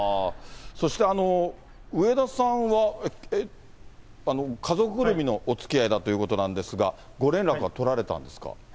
そして上田さんは家族ぐるみのおつきあいだということなんですが、ご連絡は取られたんですか？